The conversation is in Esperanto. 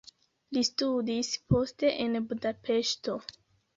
Li studis poste en Budapeŝto.